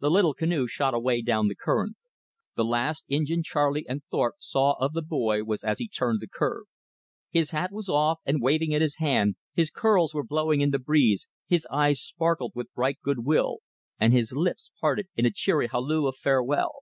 The little canoe shot away down the current. The last Injin Charley and Thorpe saw of the boy was as he turned the curve. His hat was off and waving in his hand, his curls were blowing in the breeze, his eyes sparkled with bright good will, and his lips parted in a cheery halloo of farewell.